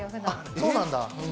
そうなんだ。